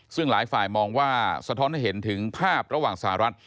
ซึ่งหลายฝ่ายมองว่าสะท้อนให้เห็นถึงภาพระหว่างสหรัฐ